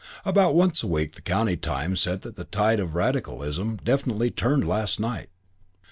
About once a week the County Times said that the tide of radicalism "definitely turned last night."